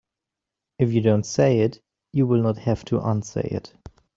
If you don't say it you will not have to unsay it.